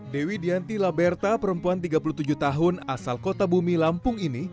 dewi dianti laberta perempuan tiga puluh tujuh tahun asal kota bumi lampung ini